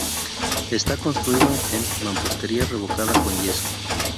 Está construido en mampostería revocada con yeso.